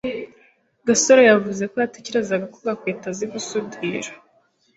gasore yavuze ko yatekerezaga ko gakwego azi gusudira